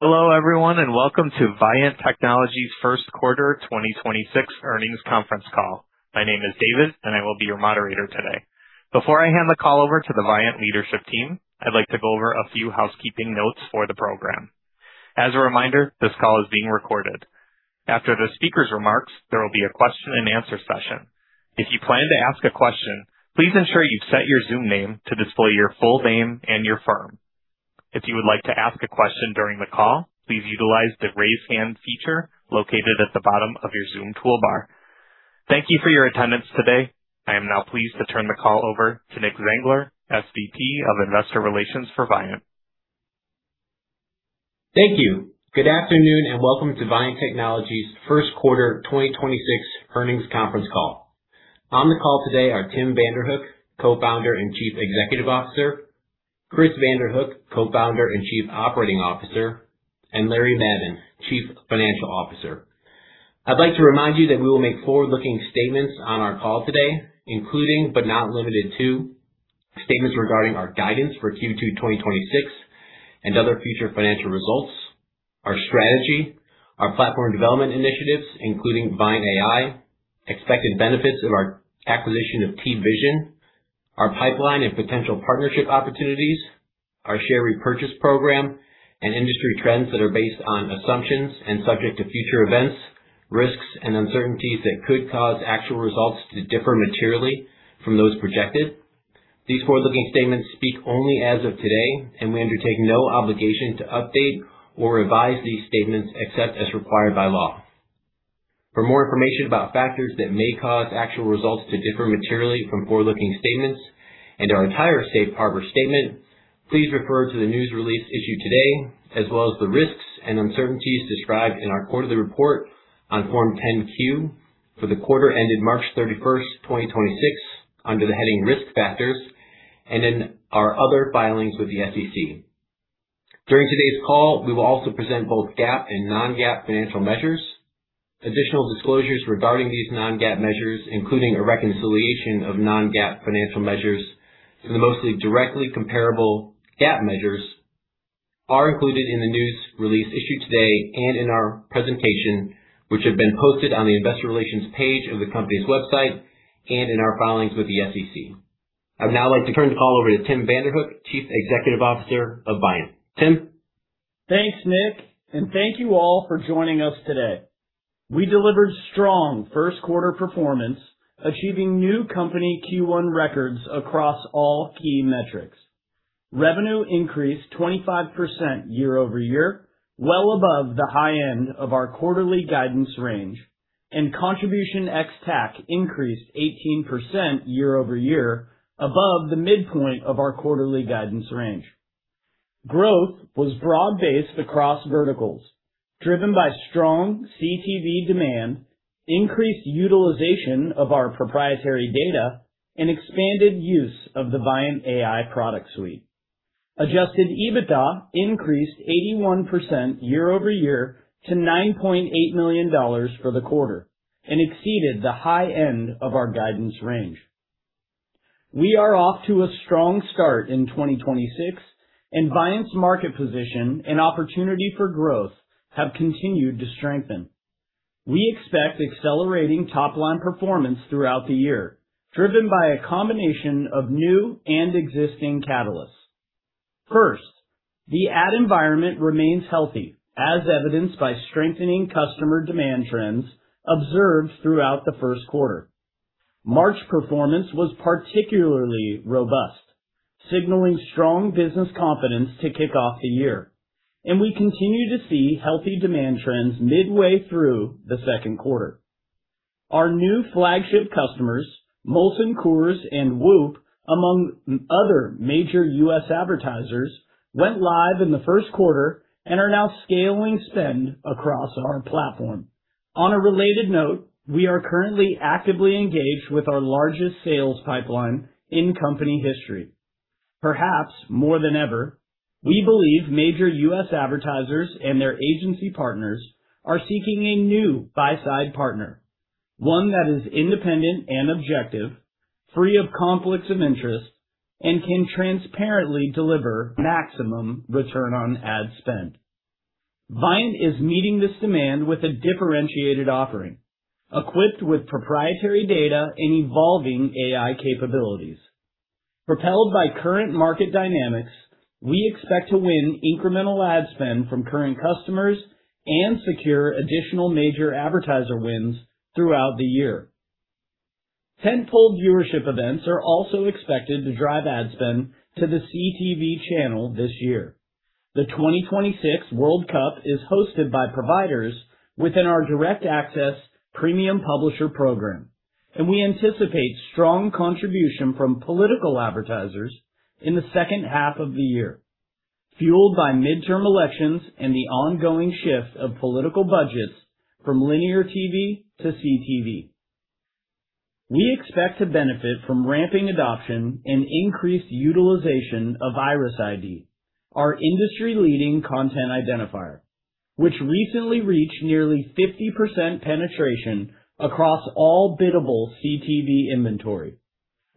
Hello, everyone, and welcome to Viant Technology's Q1 2026 earnings conference call. My name is David, and I will be your moderator today. Before I hand the call over to the Viant leadership team, I'd like to go over a few housekeeping notes for the program. As a reminder, this call is being recorded. After the speaker's remarks, there will be a question and answer session. If you plan to ask a question, please ensure you've set your Zoom name to display your full name and your firm. If you would like to ask a question during the call, please utilize the Raise Hand feature located at the bottom of your Zoom toolbar. Thank you for your attendance today. I am now pleased to turn the call over to Nicholas Zangler, SVP of Investor Relations for Viant. Thank you. Good afternoon, and welcome to Viant Technology's Q1 2026 earnings conference call. On the call today are Tim Vanderhook, Co-founder and Chief Executive Officer, Chris Vanderhook, Co-founder and Chief Operating Officer, and Larry Madden, Chief Financial Officer. I'd like to remind you that we will make forward-looking statements on our call today, including, but not limited to, statements regarding our guidance for Q2 2026 and other future financial results, our strategy, our platform development initiatives, including ViantAI, expected benefits of our acquisition of TVision, our pipeline and potential partnership opportunities, our share repurchase program, and industry trends that are based on assumptions and subject to future events, risks, and uncertainties that could cause actual results to differ materially from those projected. These forward-looking statements speak only as of today, and we undertake no obligation to update or revise these statements except as required by law. For more information about factors that may cause actual results to differ materially from forward-looking statements and our entire safe harbor statement, please refer to the news release issued today, as well as the risks and uncertainties described in our quarterly report on Form 10-Q for the quarter ended March 31st, 2026 under the heading Risk Factors and in our other filings with the SEC. During today's call, we will also present both GAAP and non-GAAP financial measures. Additional disclosures regarding these non-GAAP measures, including a reconciliation of non-GAAP financial measures to the mostly directly comparable GAAP measures, are included in the news release issued today and in our presentation, which have been posted on the investor relations page of the company's website and in our filings with the SEC. I'd now like to turn the call over to Tim Vanderhook, Chief Executive Officer of Viant. Tim? Thanks, Nick, and thank you all for joining us today. We delivered strong Q1 performance, achieving new company Q1 records across all key metrics. Revenue increased 25% year-over-year, well above the high end of our quarterly guidance range, and contribution ex-TAC increased 18% year-over-year above the midpoint of our quarterly guidance range. Growth was broad-based across verticals, driven by strong CTV demand, increased utilization of our proprietary data, and expanded use of the ViantAI product suite. Adjusted EBITDA increased 81% year-over-year to $9.8 million for the quarter and exceeded the high end of our guidance range. We are off to a strong start in 2026, Viant's market position and opportunity for growth have continued to strengthen. We expect accelerating top-line performance throughout the year, driven by a combination of new and existing catalysts. First, the ad environment remains healthy, as evidenced by strengthening customer demand trends observed throughout the Q1. March performance was particularly robust, signaling strong business confidence to kick off the year, and we continue to see healthy demand trends midway through the Q2. Our new flagship customers, Molson Coors and WHOOP, among other major U.S. advertisers, went live in the Q1 and are now scaling spend across our platform. On a related note, we are currently actively engaged with our largest sales pipeline in company history. Perhaps more than ever, we believe major U.S. advertisers and their agency partners are seeking a new buy-side partner, one that is independent and objective, free of conflicts of interest, and can transparently deliver maximum return on ad spend. Viant is meeting this demand with a differentiated offering, equipped with proprietary data and evolving AI capabilities. Propelled by current market dynamics, we expect to win incremental ad spend from current customers and secure additional major advertiser wins throughout the year. Tentpole viewership events are also expected to drive ad spend to the CTV channel this year. The 2026 World Cup is hosted by providers within our Direct Access premium publisher program, and we anticipate strong contribution from political advertisers in the second half of the year, fueled by midterm elections and the ongoing shift of political budgets from linear TV to CTV. We expect to benefit from ramping adoption and increased utilization of IRIS_ID, our industry-leading content identifier, which recently reached nearly 50% penetration across all biddable CTV inventory,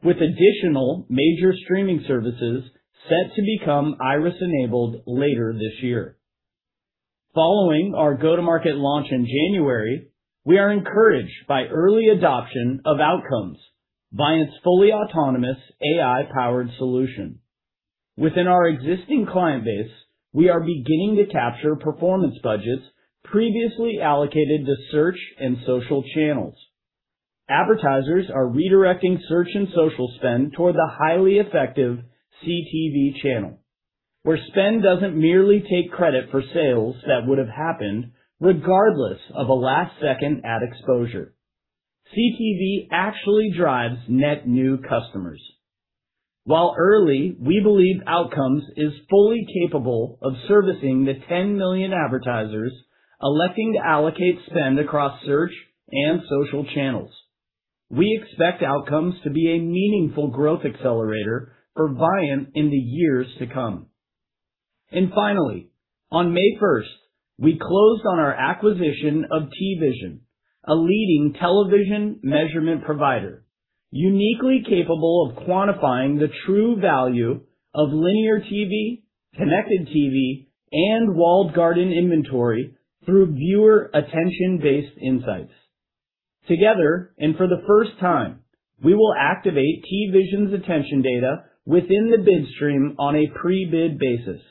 with additional major streaming services set to become IRIS-enabled later this year. Following our go-to-market launch in January, we are encouraged by early adoption of Outcomes, Viant's fully autonomous AI-powered solution. Within our existing client base, we are beginning to capture performance budgets previously allocated to search and social channels. Advertisers are redirecting search and social spend toward the highly effective CTV channel, where spend doesn't merely take credit for sales that would have happened regardless of a last-second ad exposure. CTV actually drives net new customers. While early, we believe Outcomes is fully capable of servicing the 10 million advertisers electing to allocate spend across search and social channels. We expect Outcomes to be a meaningful growth accelerator for Viant in the years to come. Finally, on May first, we closed on our acquisition of TVision, a leading television measurement provider, uniquely capable of quantifying the true value of linear TV, connected TV, and walled garden inventory through viewer attention-based insights. Together, and for the first time, we will activate TVision's attention data within the bid stream on a pre-bid basis,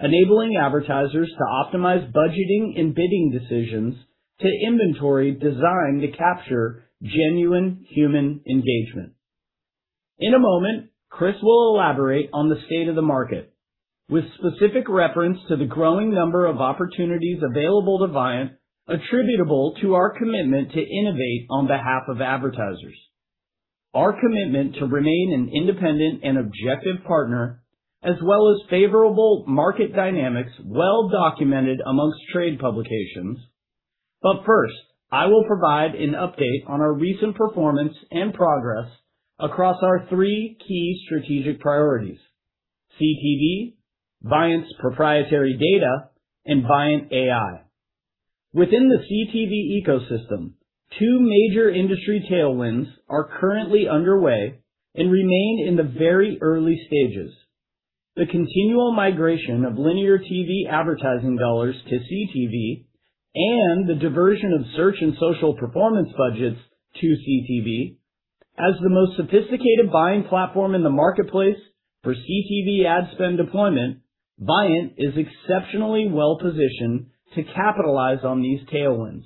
enabling advertisers to optimize budgeting and bidding decisions to inventory designed to capture genuine human engagement. In a moment, Chris will elaborate on the state of the market with specific reference to the growing number of opportunities available to Viant attributable to our commitment to innovate on behalf of advertisers. Our commitment to remain an independent and objective partner, as well as favorable market dynamics well-documented amongst trade publications. First, I will provide an update on our recent performance and progress across our three key strategic priorities: CTV, Viant's proprietary data, and ViantAI. Within the CTV ecosystem, two major industry tailwinds are currently underway and remain in the very early stages. The continual migration of linear TV advertising dollars to CTV and the diversion of search and social performance budgets to CTV. As the most sophisticated buying platform in the marketplace for CTV ad spend deployment, Viant is exceptionally well-positioned to capitalize on these tailwinds,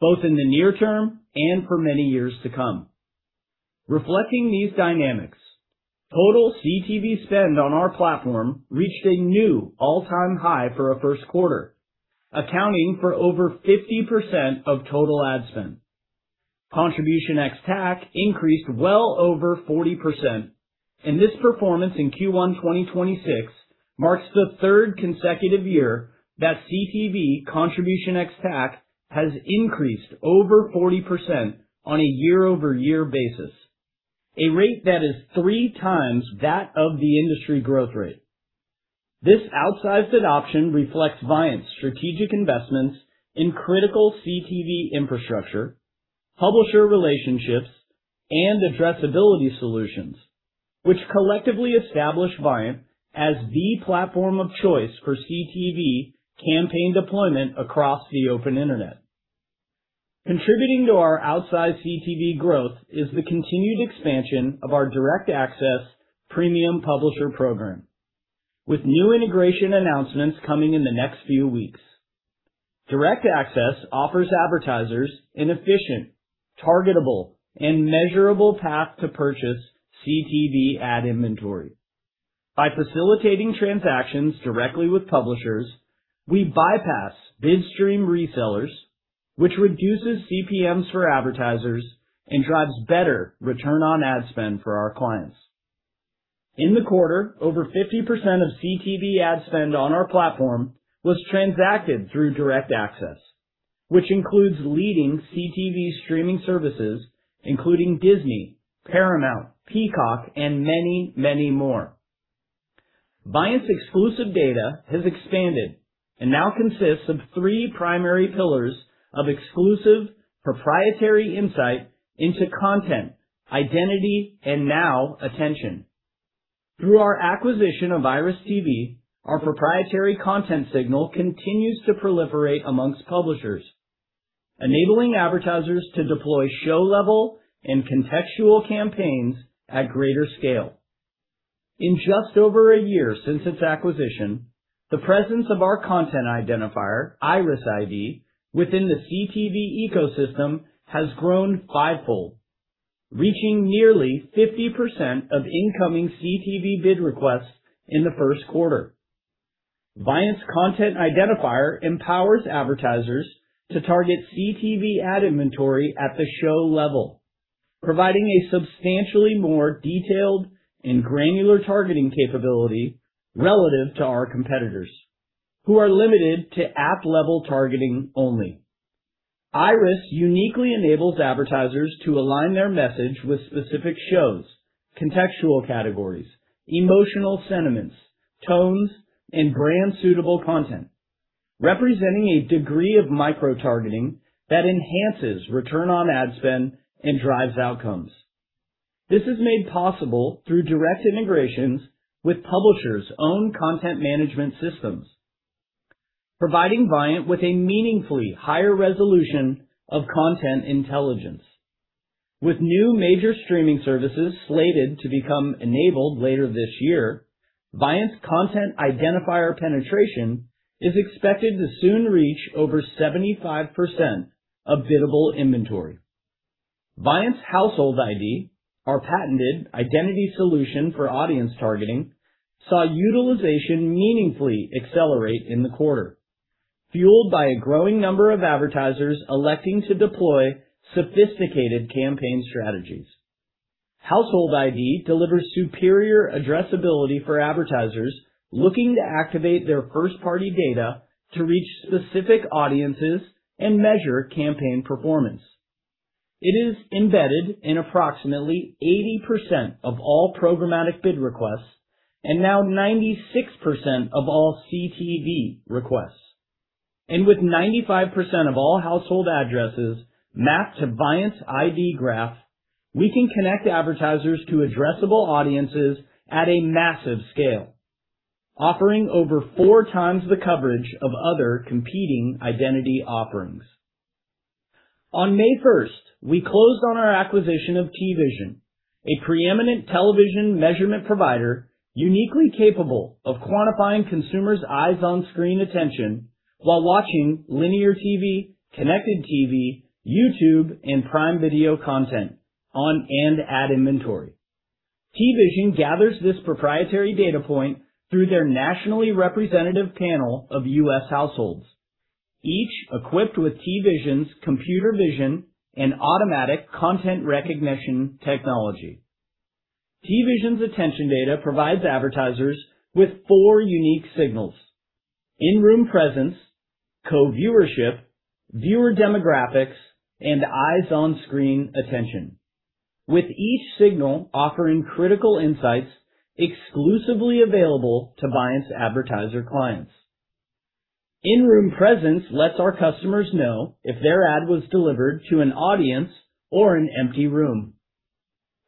both in the near term and for many years to come. Reflecting these dynamics, total CTV spend on our platform reached a new all-time high for a Q1, accounting for over 50% of total ad spend. Contribution ex-TAC increased well over 40%, and this performance in Q1 2026 marks the third consecutive year that CTV contribution ex-TAC has increased over 40% on a year-over-year basis, a rate that is three times that of the industry growth rate. This outsized adoption reflects Viant's strategic investments in critical CTV infrastructure, publisher relationships, and addressability solutions, which collectively establish Viant as the platform of choice for CTV campaign deployment across the open internet. Contributing to our outsized CTV growth is the continued expansion of our Direct Access premium publisher program, with new integration announcements coming in the next few weeks. Direct Access offers advertisers an efficient, targetable, and measurable path to purchase CTV ad inventory. By facilitating transactions directly with publishers, we bypass bid stream resellers, which reduces CPMs for advertisers and drives better return on ad spend for our clients. In the quarter, over 50% of CTV ad spend on our platform was transacted through Direct Access, which includes leading CTV streaming services, including Disney, Paramount, Peacock, and many, many more. Viant's exclusive data has expanded and now consists of 3 primary pillars of exclusive proprietary insight into content, identity, and now attention. Through our acquisition of IRIS.TV, our proprietary content signal continues to proliferate amongst publishers, enabling advertisers to deploy show-level and contextual campaigns at greater scale. In just over a year since its acquisition, the presence of our content identifier, IRIS_ID, within the CTV ecosystem has grown 5-fold, reaching nearly 50% of incoming CTV bid requests in the Q1. Viant's content identifier empowers advertisers to target CTV ad inventory at the show level, providing a substantially more detailed and granular targeting capability relative to our competitors who are limited to app-level targeting only. IRIS uniquely enables advertisers to align their message with specific shows, contextual categories, emotional sentiments, tones, and brand-suitable content. Representing a degree of micro-targeting that enhances return on ad spend and drives Outcomes. This is made possible through direct integrations with publishers' own content management systems, providing Viant with a meaningfully higher resolution of content intelligence. With new major streaming services slated to become enabled later this year, Viant's content identifier penetration is expected to soon reach over 75% of biddable inventory. Viant's Household ID, our patented identity solution for audience targeting, saw utilization meaningfully accelerate in the quarter, fueled by a growing number of advertisers electing to deploy sophisticated campaign strategies. Household ID delivers superior addressability for advertisers looking to activate their first-party data to reach specific audiences and measure campaign performance. It is embedded in approximately 80% of all programmatic bid requests and now 96% of all CTV requests. With 95% of all household addresses mapped to Viant's ID graph, we can connect advertisers to addressable audiences at a massive scale, offering over 4 times the coverage of other competing identity offerings. On May 1st, we closed on our acquisition of TVision, a preeminent television measurement provider uniquely capable of quantifying consumers' eyes on screen attention while watching linear TV, connected TV, YouTube, and Prime Video content on and ad inventory. TVision gathers this proprietary data point through their nationally representative panel of U.S. households, each equipped with TVision's computer vision and automatic content recognition technology. TVision's attention data provides advertisers with four unique signals: in-room presence, co-viewership, viewer demographics, and eyes on screen attention. With each signal offering critical insights exclusively available to Viant's advertiser clients. In-room presence lets our customers know if their ad was delivered to an audience or an empty room.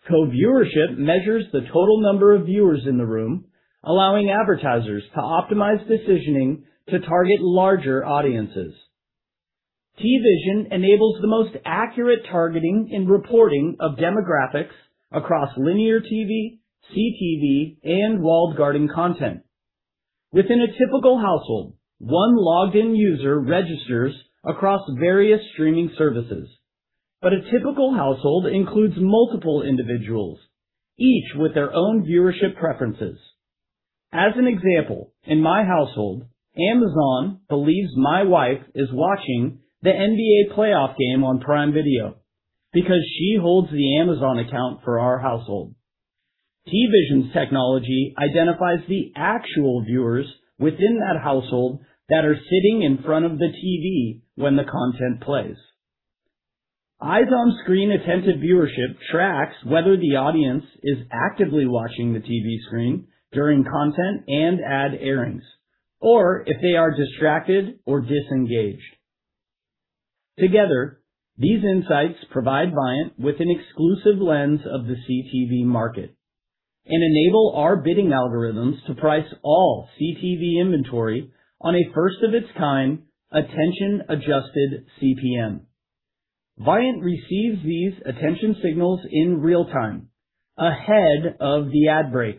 Co-viewership measures the total number of viewers in the room, allowing advertisers to optimize decisioning to target larger audiences. TVision enables the most accurate targeting and reporting of demographics across linear TV, CTV, and walled garden content. Within a typical household, one logged in user registers across various streaming services. A typical household includes multiple individuals, each with their own viewership preferences. As an example, in my household, Amazon believes my wife is watching the NBA playoff game on Prime Video because she holds the Amazon account for our household. TVision's technology identifies the actual viewers within that household that are sitting in front of the TV when the content plays. Eyes on screen attentive viewership tracks whether the audience is actively watching the TV screen during content and ad airings, or if they are distracted or disengaged. Together, these insights provide Viant with an exclusive lens of the CTV market and enable our bidding algorithms to price all CTV inventory on a first of its kind attention-adjusted CPM. Viant receives these attention signals in real time ahead of the ad break,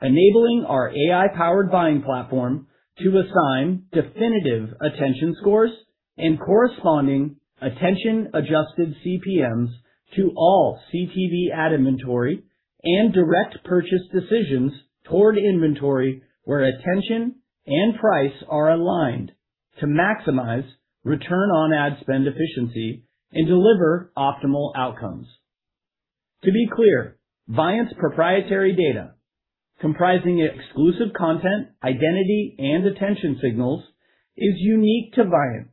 enabling our AI-powered buying platform to assign definitive attention scores and corresponding attention-adjusted CPMs to all CTV ad inventory and direct purchase decisions toward inventory where attention and price are aligned to maximize return on ad spend efficiency and deliver optimal outcomes. To be clear, Viant's proprietary data, comprising exclusive content, identity, and attention signals, is unique to Viant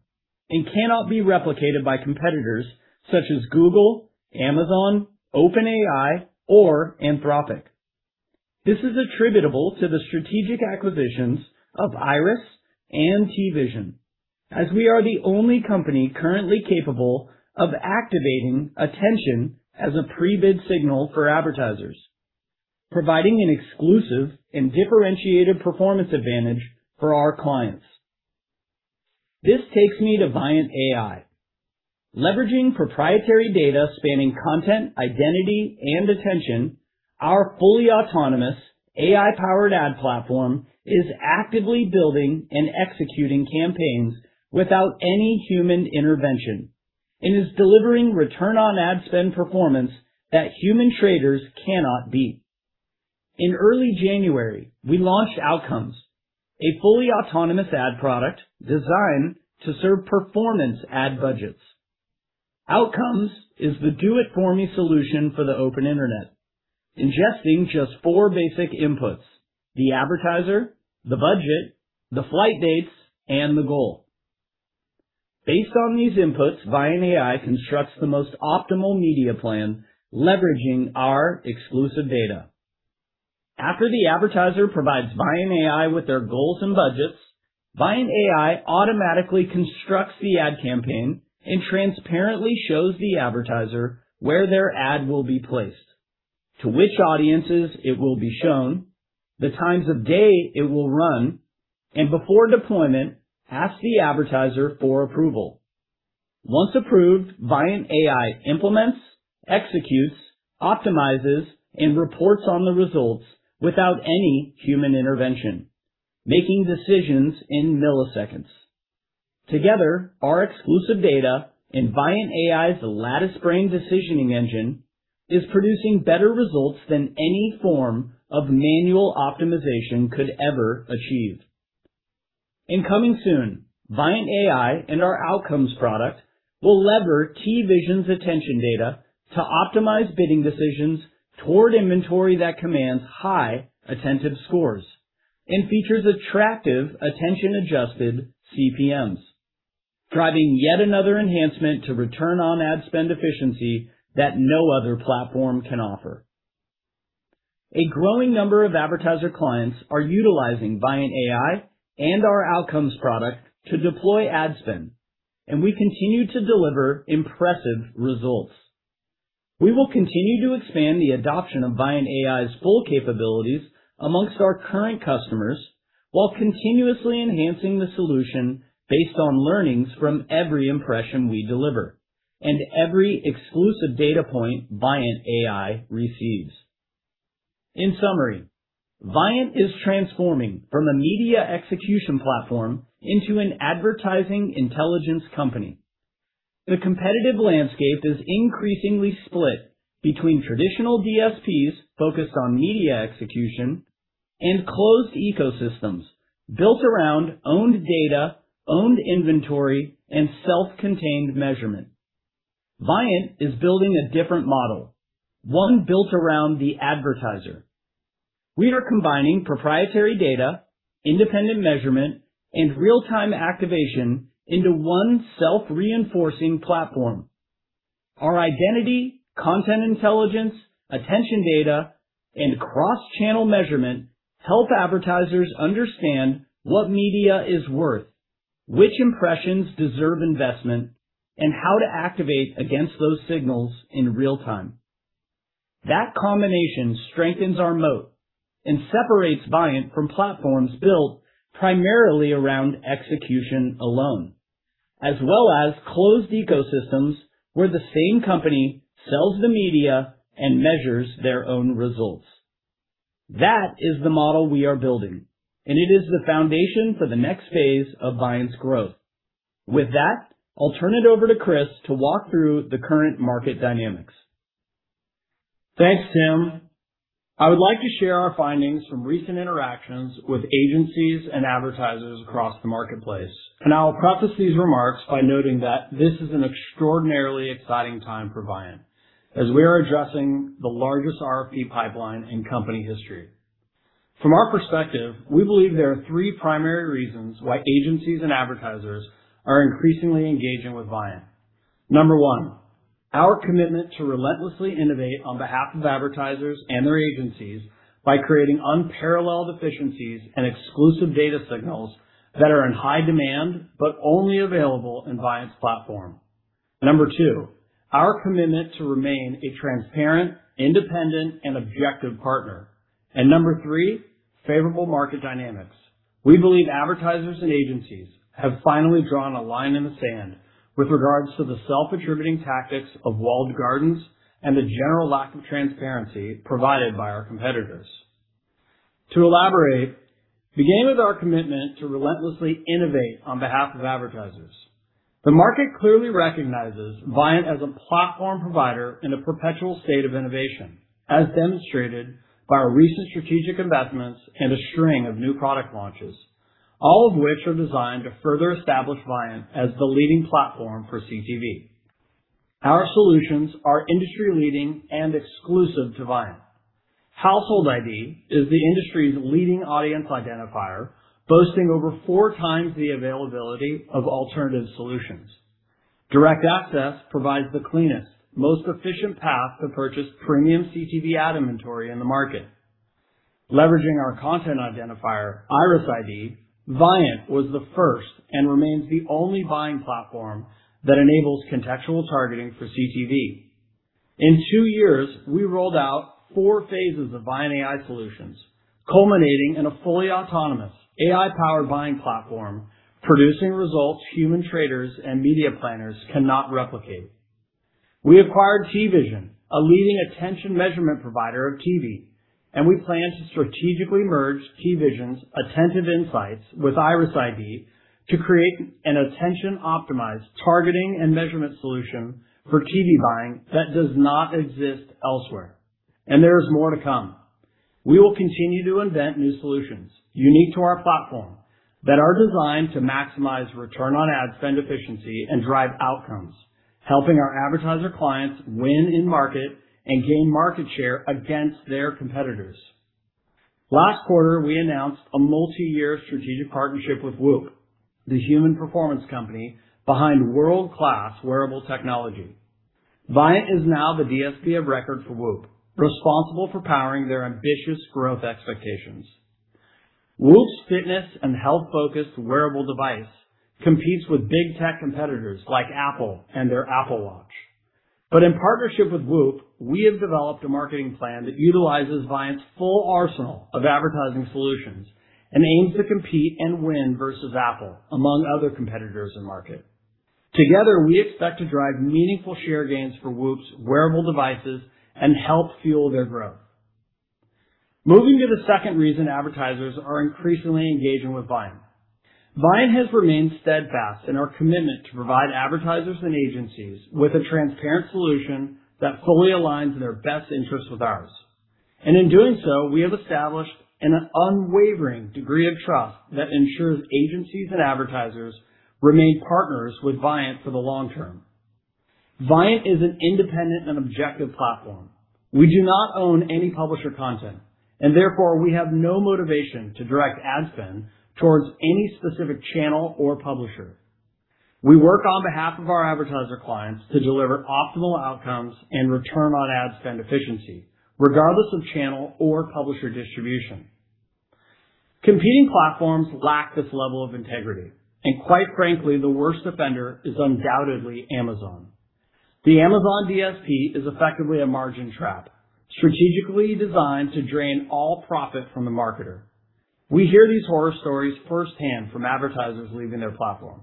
and cannot be replicated by competitors such as Google, Amazon, OpenAI, or Anthropic. This is attributable to the strategic acquisitions of Iris and TVision, as we are the only company currently capable of activating attention as a pre-bid signal for advertisers, providing an exclusive and differentiated performance advantage for our clients. This takes me to ViantAI. Leveraging proprietary data spanning content, identity, and attention, our fully autonomous AI-powered ad platform is actively building and executing campaigns without any human intervention. It is delivering return on ad spend performance that human traders cannot beat. In early January, we launched Outcomes, a fully autonomous ad product designed to serve performance ad budgets. Outcomes is the do it for me solution for the open internet, ingesting just 4 basic inputs: the advertiser, the budget, the flight dates, and the goal. Based on these inputs, ViantAI constructs the most optimal media plan leveraging our exclusive data. After the advertiser provides ViantAI with their goals and budgets, ViantAI automatically constructs the ad campaign and transparently shows the advertiser where their ad will be placed, to which audiences it will be shown, the times of day it will run, and before deployment, asks the advertiser for approval. Once approved, ViantAI implements, executes, optimizes, and reports on the results without any human intervention, making decisions in milliseconds. Together, our exclusive data and ViantAI's lattice brain decisioning engine is producing better results than any form of manual optimization could ever achieve. Coming soon, ViantAI and our Outcomes product will lever TVision's attention data to optimize bidding decisions toward inventory that commands high attentive scores and features attractive attention-adjusted CPMs, driving yet another enhancement to return on ad spend efficiency that no other platform can offer. A growing number of advertiser clients are utilizing ViantAI and our Outcomes product to deploy ad spend, and we continue to deliver impressive results. We will continue to expand the adoption of ViantAI's full capabilities amongst our current customers while continuously enhancing the solution based on learnings from every impression we deliver and every exclusive data point ViantAI receives. In summary, Viant is transforming from a media execution platform into an advertising intelligence company. The competitive landscape is increasingly split between traditional DSPs focused on media execution and closed ecosystems built around owned data, owned inventory, and self-contained measurement. Viant is building a different model, one built around the advertiser. We are combining proprietary data, independent measurement, and real-time activation into one self-reinforcing platform. Our identity, content intelligence, attention data, and cross-channel measurement help advertisers understand what media is worth, which impressions deserve investment, and how to activate against those signals in real time. That combination strengthens our moat and separates Viant from platforms built primarily around execution alone, as well as closed ecosystems where the same company sells the media and measures their own results. That is the model we are building, and it is the foundation for the next phase of Viant's growth. With that, I'll turn it over to Chris to walk through the current market dynamics. Thanks, Tim. I would like to share our findings from recent interactions with agencies and advertisers across the marketplace. I will preface these remarks by noting that this is an extraordinarily exciting time for Viant as we are addressing the largest RFP pipeline in company history. From our perspective, we believe there are three primary reasons why agencies and advertisers are increasingly engaging with Viant. Number one, our commitment to relentlessly innovate on behalf of advertisers and their agencies by creating unparalleled efficiencies and exclusive data signals that are in high demand but only available in Viant's platform. Number two, our commitment to remain a transparent, independent, and objective partner. Number three, favorable market dynamics. We believe advertisers and agencies have finally drawn a line in the sand with regards to the self-attributing tactics of walled gardens and the general lack of transparency provided by our competitors. To elaborate, beginning with our commitment to relentlessly innovate on behalf of advertisers. The market clearly recognizes Viant as a platform provider in a perpetual state of innovation, as demonstrated by our recent strategic investments and a string of new product launches, all of which are designed to further establish Viant as the leading platform for CTV. Our solutions are industry-leading and exclusive to Viant. Household ID is the industry's leading audience identifier, boasting over 4 times the availability of alternative solutions. Direct Access provides the cleanest, most efficient path to purchase premium CTV ad inventory in the market. Leveraging our content identifier, IRIS_ID, Viant was the first and remains the only buying platform that enables contextual targeting for CTV. In 2 years, we rolled out four phases of ViantAI solutions, culminating in a fully autonomous AI-powered buying platform producing results human traders and media planners cannot replicate. We acquired TVision, a leading attention measurement provider of TV, we plan to strategically merge TVision's attentive insights with IRIS_ID to create an attention-optimized targeting and measurement solution for TV buying that does not exist elsewhere. There is more to come. We will continue to invent new solutions unique to our platform that are designed to maximize return on ad spend efficiency and drive Outcomes, helping our advertiser clients win in market and gain market share against their competitors. Last quarter, we announced a multi-year strategic partnership with WHOOP, the human performance company behind world-class wearable technology. Viant is now the DSP of record for WHOOP, responsible for powering their ambitious growth expectations. WHOOP's fitness and health-focused wearable device competes with big tech competitors like Apple and their Apple Watch. In partnership with WHOOP, we have developed a marketing plan that utilizes Viant's full arsenal of advertising solutions and aims to compete and win versus Apple, among other competitors in market. Together, we expect to drive meaningful share gains for WHOOP's wearable devices and help fuel their growth. Moving to the second reason advertisers are increasingly engaging with Viant. Viant has remained steadfast in our commitment to provide advertisers and agencies with a transparent solution that fully aligns their best interests with ours. In doing so, we have established an unwavering degree of trust that ensures agencies and advertisers remain partners with Viant for the long term. Viant is an independent and objective platform. We do not own any publisher content, and therefore, we have no motivation to direct ad spend towards any specific channel or publisher. We work on behalf of our advertiser clients to deliver optimal Outcomes and return on ad spend efficiency, regardless of channel or publisher distribution. Competing platforms lack this level of integrity, and quite frankly, the worst offender is undoubtedly Amazon. The Amazon DSP is effectively a margin trap, strategically designed to drain all profit from the marketer. We hear these horror stories firsthand from advertisers leaving their platform.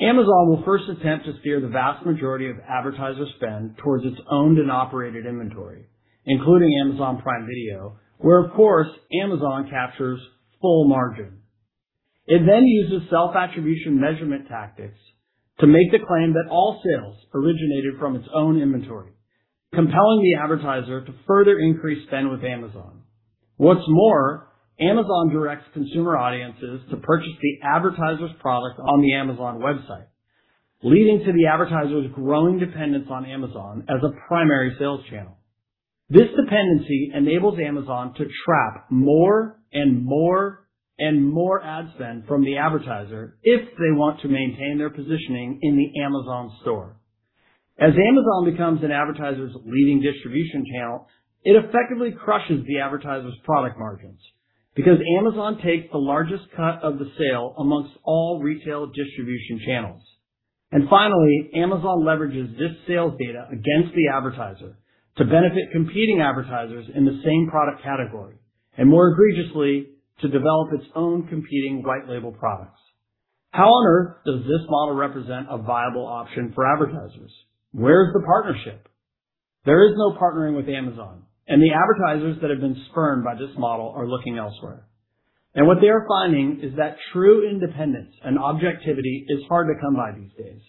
Amazon will first attempt to steer the vast majority of advertiser spend towards its owned and operated inventory, including Amazon Prime Video, where, of course, Amazon captures full margin. It then uses self-attribution measurement tactics to make the claim that all sales originated from its own inventory, compelling the advertiser to further increase spend with Amazon. What's more, Amazon directs consumer audiences to purchase the advertiser's product on the Amazon website, leading to the advertiser's growing dependence on Amazon as a primary sales channel. This dependency enables Amazon to trap more and more and more ad spend from the advertiser if they want to maintain their positioning in the Amazon store. As Amazon becomes an advertiser's leading distribution channel, it effectively crushes the advertiser's product margins because Amazon takes the largest cut of the sale amongst all retail distribution channels. Finally, Amazon leverages this sales data against the advertiser to benefit competing advertisers in the same product category, and more egregiously, to develop its own competing white label products. How on earth does this model represent a viable option for advertisers? Where's the partnership? There is no partnering with Amazon, and the advertisers that have been spurned by this model are looking elsewhere. What they are finding is that true independence and objectivity is hard to come by these days.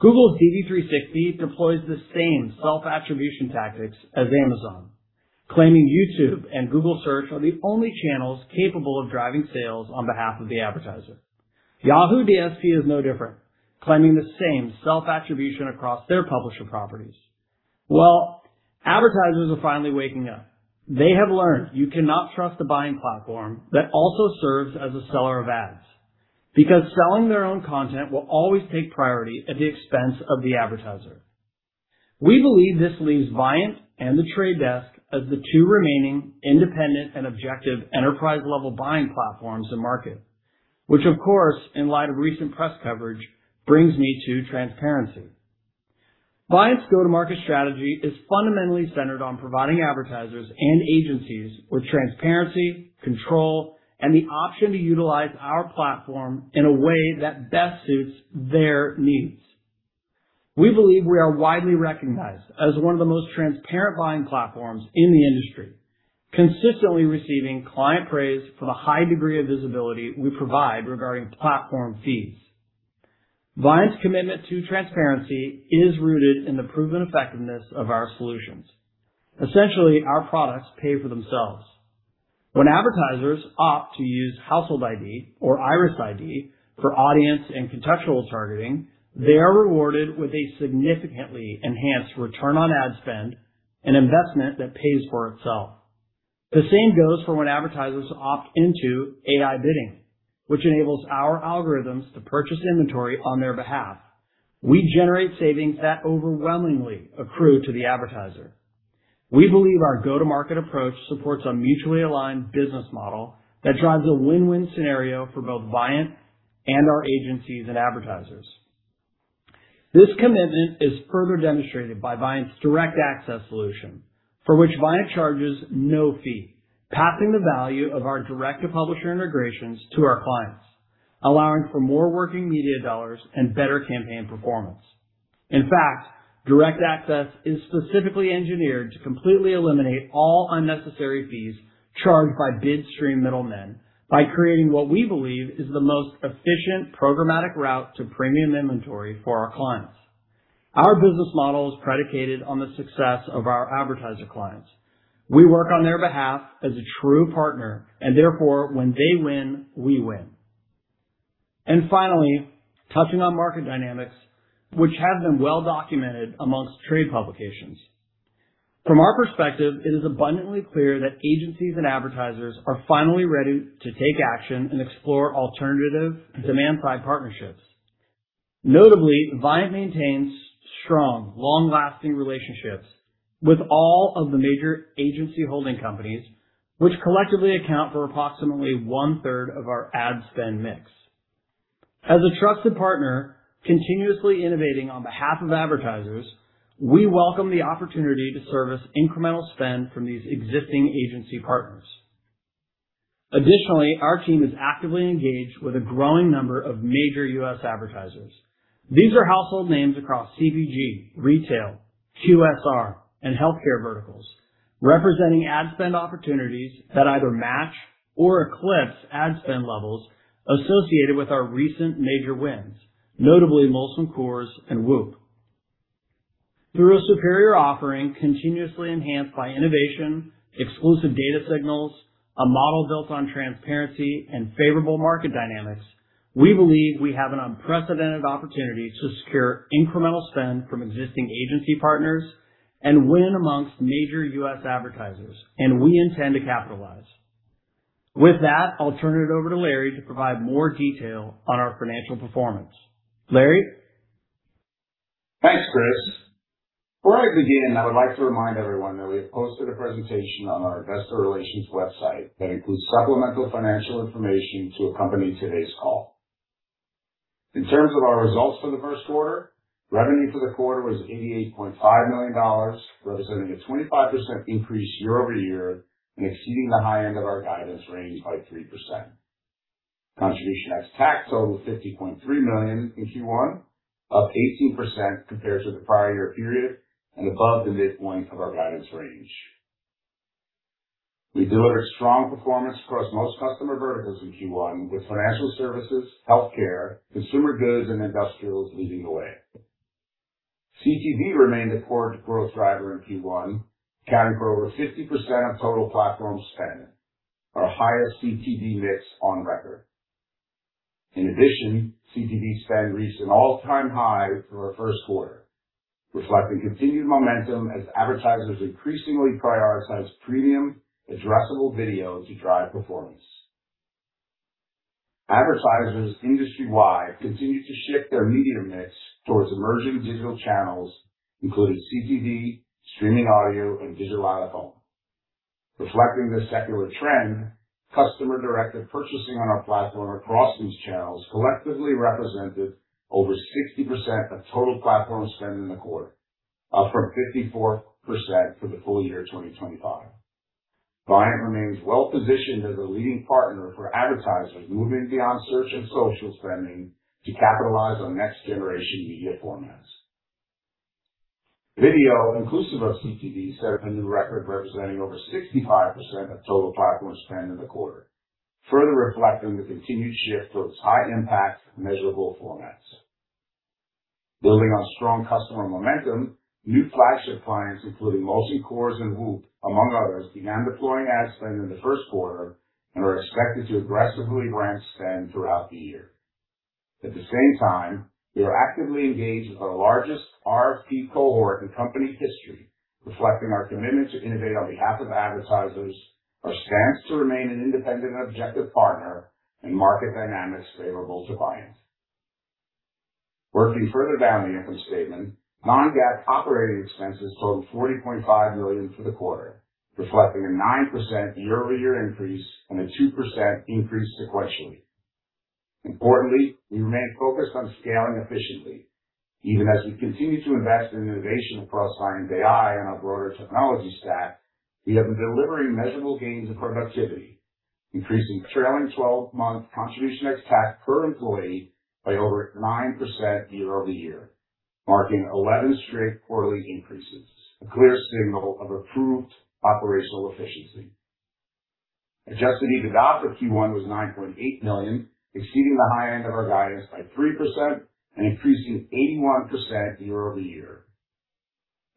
Google's DV360 deploys the same self-attribution tactics as Amazon, claiming YouTube and Google Search are the only channels capable of driving sales on behalf of the advertiser. Yahoo DSP is no different, claiming the same self-attribution across their publisher properties. Well, advertisers are finally waking up. They have learned you cannot trust a buying platform that also serves as a seller of ads, because selling their own content will always take priority at the expense of the advertiser. We believe this leaves Viant and The Trade Desk as the two remaining independent and objective enterprise-level buying platforms in market, which of course, in light of recent press coverage, brings me to transparency. Viant's go-to-market strategy is fundamentally centered on providing advertisers and agencies with transparency, control, and the option to utilize our platform in a way that best suits their needs. We believe we are widely recognized as one of the most transparent buying platforms in the industry, consistently receiving client praise for the high degree of visibility we provide regarding platform fees. Viant's commitment to transparency is rooted in the proven effectiveness of our solutions. Essentially, our products pay for themselves. When advertisers opt to use Household ID or IRIS_ID for audience and contextual targeting, they are rewarded with a significantly enhanced return on ad spend and investment that pays for itself. The same goes for when advertisers opt into AI bidding, which enables our algorithms to purchase inventory on their behalf. We generate savings that overwhelmingly accrue to the advertiser. We believe our go-to-market approach supports a mutually aligned business model that drives a win-win scenario for both Viant and our agencies and advertisers. This commitment is further demonstrated by Viant's Direct Access solution, for which Viant charges no fee, passing the value of our direct-to-publisher integrations to our clients, allowing for more working media dollars and better campaign performance. In fact, Direct Access is specifically engineered to completely eliminate all unnecessary fees charged by bid stream middlemen by creating what we believe is the most efficient programmatic route to premium inventory for our clients. Our business model is predicated on the success of our advertiser clients. We work on their behalf as a true partner, and therefore, when they win, we win. Finally, touching on market dynamics, which have been well documented amongst trade publications. From our perspective, it is abundantly clear that agencies and advertisers are finally ready to take action and explore alternative demand-side partnerships. Notably, Viant maintains strong, long-lasting relationships with all of the major agency holding companies, which collectively account for approximately one-third of our ad spend mix. As a trusted partner continuously innovating on behalf of advertisers, we welcome the opportunity to service incremental spend from these existing agency partners. Additionally, our team is actively engaged with a growing number of major U.S. advertisers. These are household names across CPG, retail, QSR, and healthcare verticals, representing ad spend opportunities that either match or eclipse ad spend levels associated with our recent major wins, notably Molson Coors and WHOOP. Through a superior offering continuously enhanced by innovation, exclusive data signals, a model built on transparency and favorable market dynamics, we believe we have an unprecedented opportunity to secure incremental spend from existing agency partners and win among major U.S. advertisers. We intend to capitalize. With that, I'll turn it over to Larry to provide more detail on our financial performance. Larry? Thanks, Chris. Before I begin, I would like to remind everyone that we have posted a presentation on our investor relations website that includes supplemental financial information to accompany today's call. In terms of our results for the Q1, revenue for the quarter was $88.5 million, representing a 25% increase year-over-year and exceeding the high end of our guidance range by 3%. Contribution ex-TAC totaled $50.3 million in Q1, up 18% compared to the prior year period and above the midpoint of our guidance range. We delivered strong performance across most customer verticals in Q1, with financial services, healthcare, consumer goods, and industrials leading the way. CTV remained a core growth driver in Q1, accounting for over 50% of total platform spend, our highest CTV mix on record. In addition CTV spend reached an all-time high for our Q1, reflecting continued momentum as advertisers increasingly prioritize premium addressable video to drive performance. Advertisers industry-wide continue to shift their media mix towards emerging digital channels, including CTV, streaming audio, and digital out-of-home. Reflecting this secular trend, customer-directed purchasing on our platform across these channels collectively represented over 60% of total platform spend in the quarter, up from 54% for the full year 2025. Viant remains well-positioned as a leading partner for advertisers moving beyond search and social spending to capitalize on next-generation media formats. Video, inclusive of CTV, set up a new record representing over 65% of total platform spend in the quarter, further reflecting the continued shift towards high-impact measurable formats. Building on strong customer momentum, new flagship clients, including Molson Coors and WHOOP, among others, began deploying ad spend in the Q1 and are expected to aggressively ramp spend throughout the year. At the same time, we are actively engaged with our largest RFP cohort in company history, reflecting our commitment to innovate on behalf of advertisers, our stance to remain an independent and objective partner, and market dynamics favorable to Viant. Working further down the income statement, non-GAAP operating expenses totaled $40.5 million for the quarter, reflecting a 9% year-over-year increase and a 2% increase sequentially. Importantly, we remain focused on scaling efficiently. Even as we continue to invest in innovation across ViantAI and our broader technology stack, we have been delivering measurable gains in productivity, increasing trailing twelve-month contribution ex-TAC per employee by over 9% year-over-year, marking 11 straight quarterly increases, a clear signal of improved operational efficiency. Adjusted EBITDA for Q1 was $9.8 million, exceeding the high end of our guidance by 3% and increasing 81% year-over-year.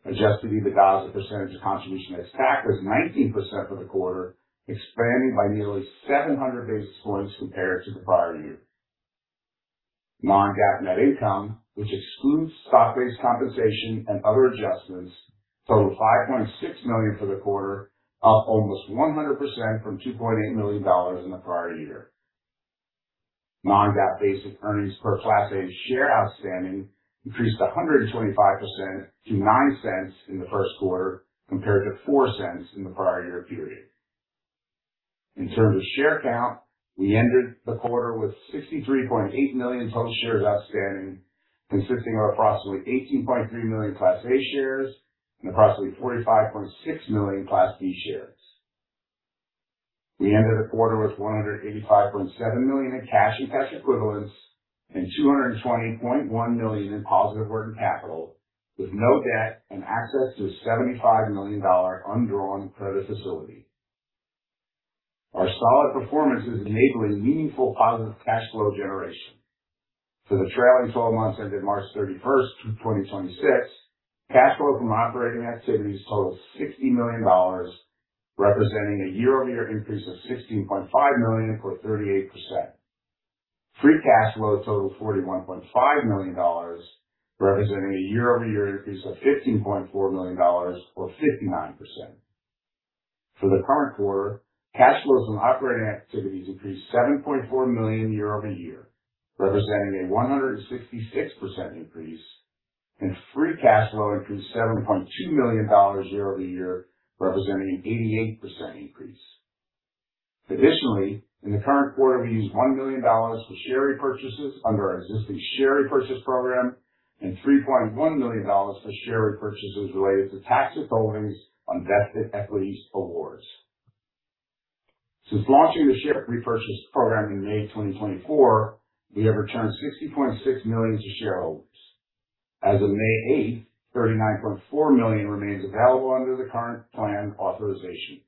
Adjusted EBITDA as a percentage of contribution ex-TAC was 19% for the quarter, expanding by nearly 700 basis points compared to the prior year. Non-GAAP net income, which excludes stock-based compensation and other adjustments, totaled $5.6 million for the quarter, up almost 100% from $2.8 million in the prior year. Non-GAAP basic earnings per Class A share outstanding increased 125% to $0.09 in the Q1, compared to $0.04 in the prior year period. In terms of share count, we ended the quarter with 63.8 million total shares outstanding, consisting of approximately 18.3 million Class A shares and approximately 45.6 million Class B shares. We ended the quarter with $185.7 million in cash and cash equivalents and $220.1 million in positive working capital, with no debt and access to a $75 million undrawn credit facility. Our solid performance is enabling meaningful positive cash flow generation. For the trailing 12 months ended March 31, 2026, cash flow from operating activities totaled $60 million, representing a year-over-year increase of $16.5 million or 38%. Free cash flow totaled $41.5 million, representing a year-over-year increase of $15.4 million or 59%. For the current quarter, cash flows from operating activities increased $7.4 million year-over-year, representing a 166% increase, and free cash flow increased $7.2 million year-over-year, representing an 88% increase. Additionally, in the current quarter, we used $1 million for share repurchases under our existing share repurchase program and $3.1 million for share repurchases related to tax withholdings on vested equity awards. Since launching the share repurchase program in May 2024, we have returned $60.6 million to shareholders. As of May 8th, $39.4 million remains available under the current plan authorization.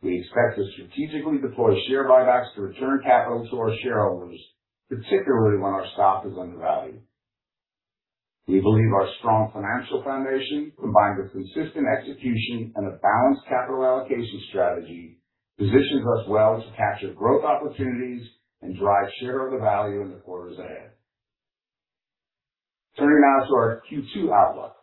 We expect to strategically deploy share buybacks to return capital to our shareholders, particularly when our stock is undervalued. We believe our strong financial foundation, combined with consistent execution and a balanced capital allocation strategy, positions us well to capture growth opportunities and drive share of the value in the quarters ahead. Turning now to our Q2 outlook.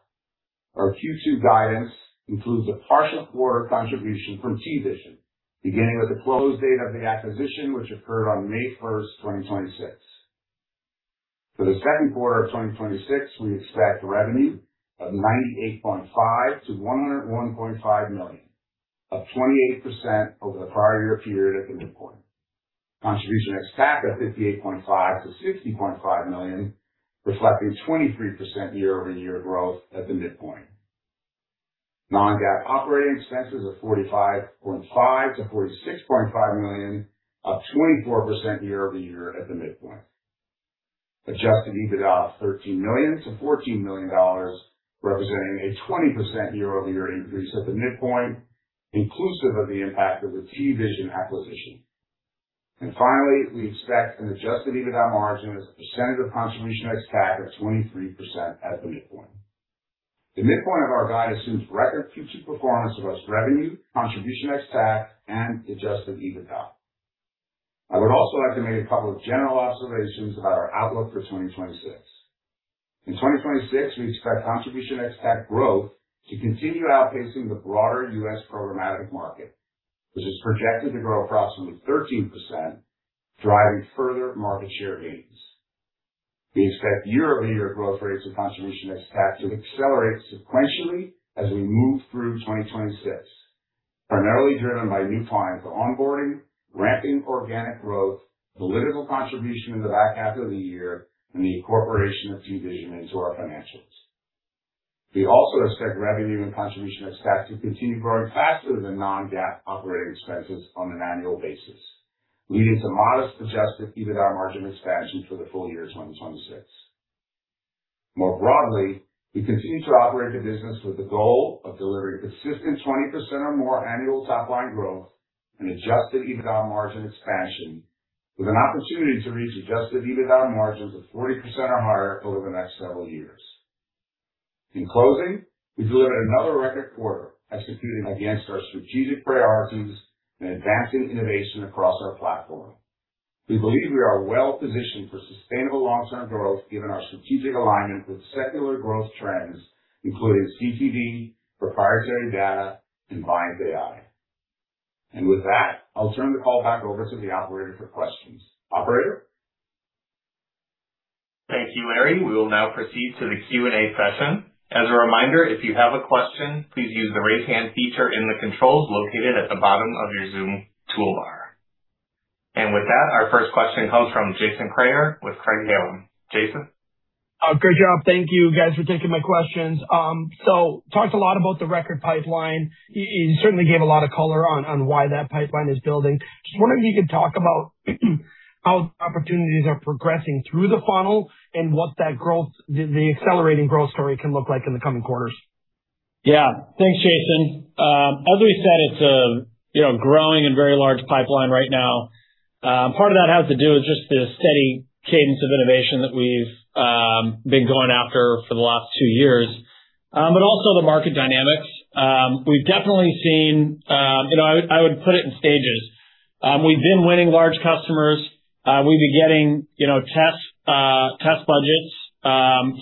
Our Q2 guidance includes a partial quarter contribution from TVision, beginning with the close date of the acquisition, which occurred on May 1st, 2026. For the Q2 of 2026, we expect revenue of $98.5 million-$101.5 million, up 28% over the prior-year period at the midpoint. Contribution ex-TAC at $58.5 million-$60.5 million, reflecting 23% year-over-year growth at the midpoint. Non-GAAP operating expenses of $45.5 million-$46.5 million, up 24% year-over-year at the midpoint. Adjusted EBITDA of $13 million-$14 million, representing a 20% year-over-year increase at the midpoint, inclusive of the impact of the TVision acquisition. Finally, we expect an Adjusted EBITDA margin as a percentage of contribution ex-TAC of 23% at the midpoint. The midpoint of our guidance assumes record future performance of U.S. revenue, contribution ex-TAC, and Adjusted EBITDA. I would also like to make a couple of general observations about our outlook for 2026. In 2026, we expect contribution ex-TAC growth to continue outpacing the broader U.S. programmatic market, which is projected to grow approximately 13%, driving further market share gains. We expect year-over-year growth rates and contribution ex-TAC to accelerate sequentially as we move through 2026, primarily driven by new clients onboarding, ramping organic growth, political contribution in the back half of the year, and the incorporation of TVision into our financials. We also expect revenue and contribution ex-TAC to continue growing faster than non-GAAP operating expenses on an annual basis, leading to modest Adjusted EBITDA margin expansion for the full year 2026. More broadly, we continue to operate the business with the goal of delivering consistent 20% or more annual top-line growth and Adjusted EBITDA margin expansion, with an opportunity to reach Adjusted EBITDA margins of 40% or higher over the next several years. In closing, we delivered another record quarter executing against our strategic priorities and advancing innovation across our platform. We believe we are well-positioned for sustainable long-term growth given our strategic alignment with secular growth trends, including CTV, proprietary data, and ViantAI. With that, I'll turn the call back over to the operator for questions. Operator? Thank you, Larry. We will now proceed to the Q&A session. As a reminder, if you have a question, please use the Raise Hand feature in the controls located at the bottom of your Zoom toolbar. With that, our first question comes from Jason Kreyer with Craig-Hallum. Jason? Good job. Thank you guys for taking my questions. Talked a lot about the record pipeline. You certainly gave a lot of color on why that pipeline is building. Just wondering if you could talk about how opportunities are progressing through the funnel and what that growth, the accelerating growth story can look like in the coming quarters. Yeah. Thanks, Jason. As we said, it's a, you know, growing and very large pipeline right now. Part of that has to do with just the steady cadence of innovation that we've been going after for the last 2 years. Also the market dynamics. We've definitely seen, you know, I would put it in stages. We've been winning large customers. We've been getting, you know, test budgets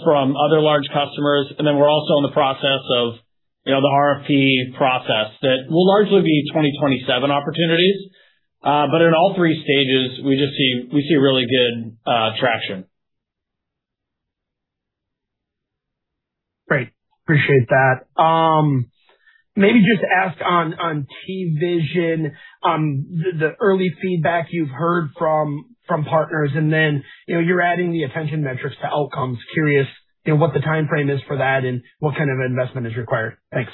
from other large customers. We're also in the process of, you know, the RFP process that will largely be 2027 opportunities. In all 3 stages, we just see really good traction. Great. Appreciate that. Maybe just ask on TVision, the early feedback you've heard from partners. Then, you know, you're adding the attention metrics to Outcomes. Curious, you know, what the timeframe is for that and what kind of investment is required? Thanks.